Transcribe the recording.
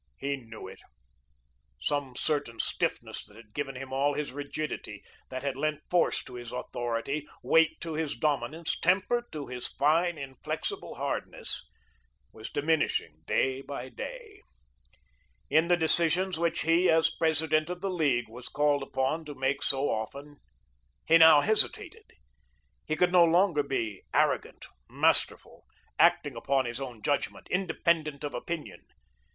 He knew it. Some certain stiffness that had given him all his rigidity, that had lent force to his authority, weight to his dominance, temper to his fine, inflexible hardness, was diminishing day by day. In the decisions which he, as President of the League, was called upon to make so often, he now hesitated. He could no longer be arrogant, masterful, acting upon his own judgment, independent of opinion.